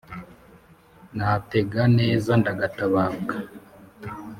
Natega neza ndagatabaruka.